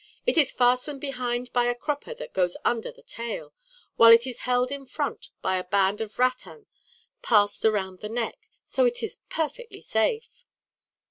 It is fastened behind by a crupper that goes under the tail, while it is held in front by a band of rattan passed around the neck. So it is perfectly safe."